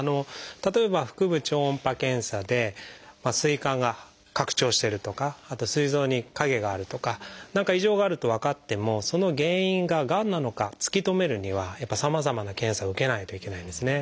例えば腹部超音波検査で膵管が拡張してるとかあとすい臓に影があるとか何か異常があると分かってもその原因ががんなのか突き止めるにはやっぱりさまざまな検査を受けないといけないんですね。